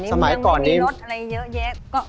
สมัยก่อนนี้มีรถอะไรเยอะแยะ